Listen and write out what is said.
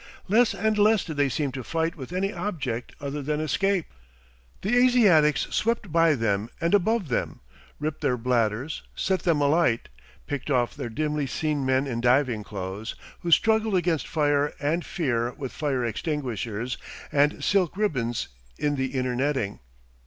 Less and less did they seem to fight with any object other than escape. The Asiatics swept by them and above them, ripped their bladders, set them alight, picked off their dimly seen men in diving clothes, who struggled against fire and tear with fire extinguishers and silk ribbons in the inner netting.